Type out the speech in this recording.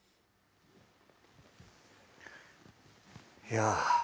いや。